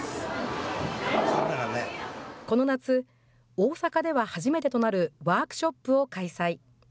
大阪では初めてとなるワークショップを開催。